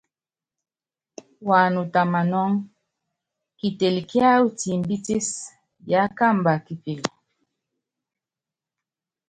Wanuta manɔ́ŋ, kitel kiáwɔ timbitis yakamba kipil.